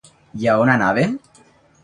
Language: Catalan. I a on anaven?